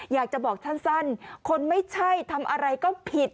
อยากจะบอกสั้นคนไม่ใช่ทำอะไรก็ผิด